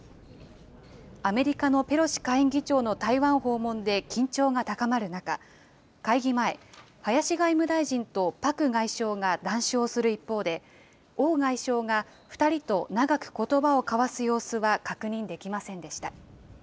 アメリカのペロシ下院議長の台湾訪問で緊張が高まる中、会議前、林外務大臣とパク外相が談笑する一方で、王外相が２人と長くことばを交わす様子は確認できませんでした。